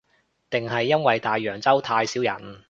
定係因為大洋洲太少人